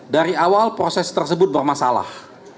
dari awal proses tersebut bermasalah